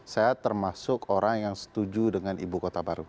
saya termasuk orang yang setuju dengan ibu kota baru